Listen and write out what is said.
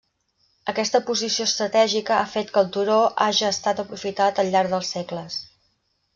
Aquesta posició estratègica ha fet que el turó haja estat aprofitat al llarg dels segles.